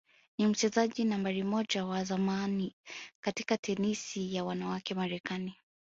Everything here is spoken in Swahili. ni mchezaji nambari moja wa zamani katika tenisi ya wanawake Marekani